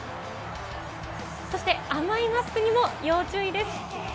そして、甘いマスクにも要注意です。